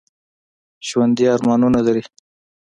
ژوندي ارمانونه لري